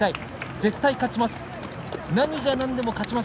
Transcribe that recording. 絶対、勝ちます。